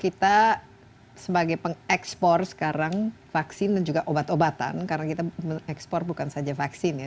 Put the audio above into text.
kita sebagai pengekspor sekarang vaksin dan juga obat obatan karena kita mengekspor bukan saja vaksin ya